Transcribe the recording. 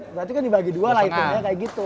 berarti kan dibagi dua lah hitungnya kayak gitu